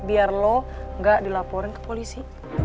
kalau gak dilaporin ke polisi